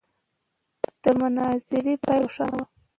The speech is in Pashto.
د مناظرې پایله روښانه نه وه.